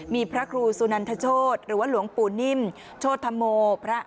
มีพระครูสุนันทโชธหรือว่าหลวงปู่นิ่มโชธรโมพระ